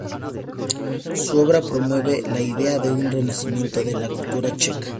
Su obra promueve la idea de un renacimiento de la cultura checa.